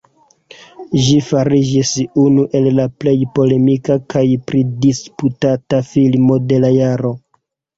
Ĝi fariĝis unu el la plej polemika kaj pridisputata filmo de la jaro.